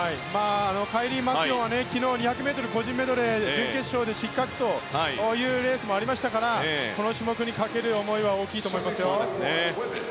カイリー・マキュオンは昨日、２００ｍ個人メドレーの準決勝で失格というレースもありましたからこの種目にかける思いは大きいと思います。